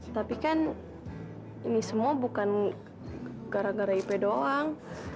tapi kan ini semua bukan gara gara ip doang